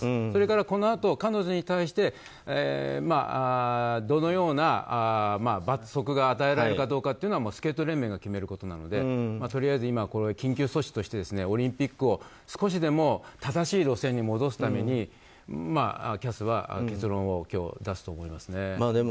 それから、このあと彼女に対してどのような罰則が与えられるかどうかはスケート連盟が決めることなのでとりあえず今は緊急措置としてオリンピックを少しでも正しい路線に戻すためにＣＡＳは結論を今日出すと思いますね。